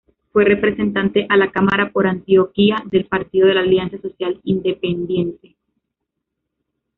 Fue Representante a la Cámara por Antioquia del Partido de la Alianza Social Independiente.